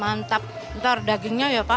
being mantap daruda ginyola pak